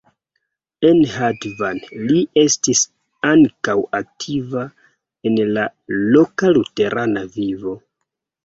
En Hatvan li estis ankaŭ aktiva en la loka luterana vivo.